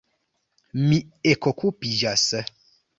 Mi ekokupiĝas.